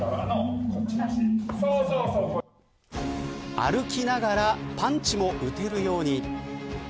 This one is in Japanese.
歩きながらパンチも打てるように。